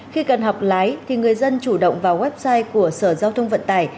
khi cần học lái thì người dân chủ động vào website của sở giao thông vận tải